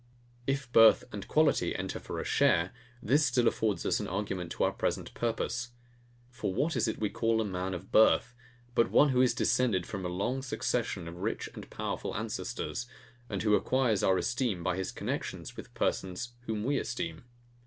If birth and quality enter for a share, this still affords us an argument to our present purpose. For what is it we call a man of birth, but one who is descended from a long succession of rich and powerful ancestors, and who acquires our esteem by his connexion with persons whom we esteem?